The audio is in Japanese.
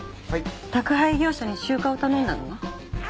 宅配業者に集荷を頼んだのは？